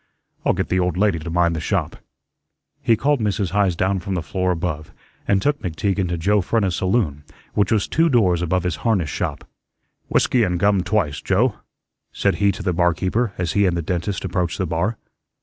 I'll get the old lady to mind the shop." He called Mrs. Heise down from the floor above and took McTeague into Joe Frenna's saloon, which was two doors above his harness shop. "Whiskey and gum twice, Joe," said he to the barkeeper as he and the dentist approached the bar.